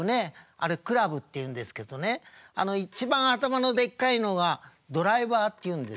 あれクラブっていうんですけどね一番頭のでっかいのがドライバーっていうんですよねっ。